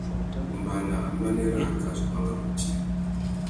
Wombāna ambanê râā ka zu banga bôti.